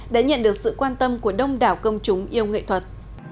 đã nhận được sự quan tâm của đông đảo công chúng yêu nghệ thuật